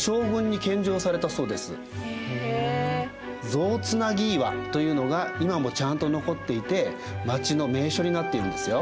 象つなぎ岩というのが今もちゃんと残っていて町の名所になっているんですよ。